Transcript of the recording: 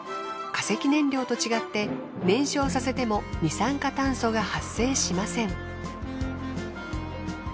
化石燃料と違って燃焼させても二酸化炭素が発生しません。